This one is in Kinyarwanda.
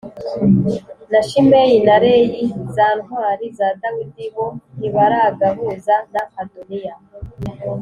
na Shimeyi na Reyi za ntwari za Dawidi, bo ntibaragahuza na Adoniya.